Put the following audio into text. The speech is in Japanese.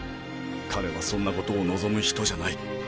彼はそんなことを望む人じゃない。